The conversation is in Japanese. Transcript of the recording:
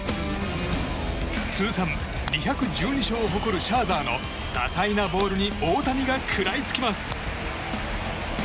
通算２１２勝を誇るシャーザーの多彩なボールに大谷が食らいつきます。